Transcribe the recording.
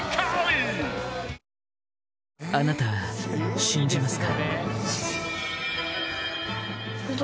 あなたは信じますか？